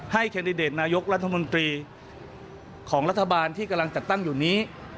แคนดิเดตนายกรัฐมนตรีของรัฐบาลที่กำลังจัดตั้งอยู่นี้